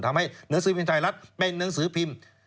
หนังสือพิมพ์ไทยรัฐเป็นหนังสือพิมพ์